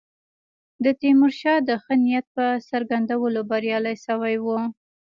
د تیمورشاه د ښه نیت په څرګندولو بریالي شوي وو.